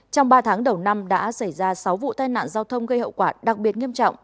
trong ba tháng đầu năm đã xảy ra sáu vụ tai nạn giao thông gây hậu quả đặc biệt nghiêm trọng